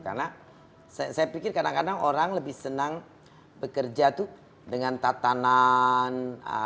karena saya pikir kadang kadang orang lebih senang bekerja tuh dengan tatanan